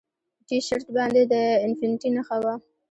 په ټي شرټ باندې د انفینټي نښه وه